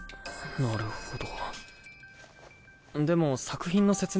なるほど。